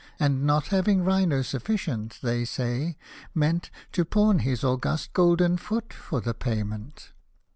And not having rhino sufficient, they say, meant To pawn his august Golden Foot for the payment.